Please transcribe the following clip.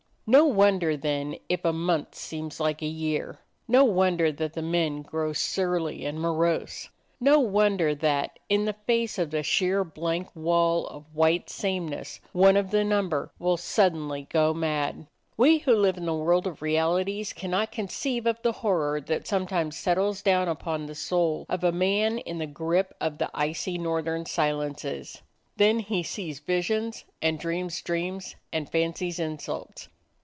No won der, then, if a month seems like a year ; no won der that the men grow surly and morose; no wonder that, in the face of the sheer blank wall of white sameness, one of the number will suddenly go mad. We who live in the world of realities cannot conceive of the horror that sometimes settles down upon the soul of a man in the grip of the icy northern silences. Then he sees visions and dreams dreams and fancies insults.